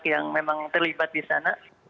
yang memang terlibat di sana